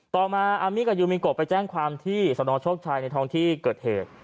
ต่อมาอามี่กับยูมิโกไปแจ้งความที่สนโชคชัยในท้องที่เกิดเหตุ